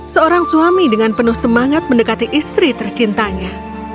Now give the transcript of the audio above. seorang suami dengan penuh semangat mendekati istri tercintanya